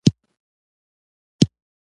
پیلوټ د خطر نښې ژر احساسوي.